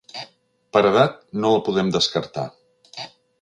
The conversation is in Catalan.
Per edat no la podem descartar.